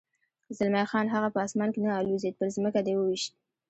زلمی خان: هغه په اسمان کې نه الوزېد، پر ځمکه دې و وېشت.